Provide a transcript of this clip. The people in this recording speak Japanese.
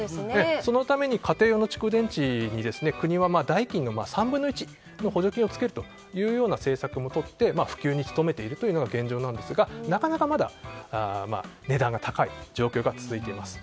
そのために家庭用の蓄電池に国は代金の３分の１の補助金をつけるという政策もとって普及に努めているというのが現状なんですがなかなかまだ値段が高い状況が続いています。